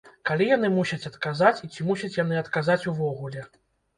Калі яны мусяць адказаць і ці мусяць яны адказваць увогуле?